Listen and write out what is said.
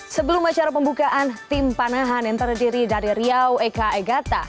sebelum acara pembukaan tim panahan yang terdiri dari riau eka egata